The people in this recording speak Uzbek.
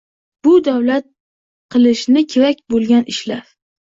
Bu – davlat qilishi kerak bo‘lgan ishlar.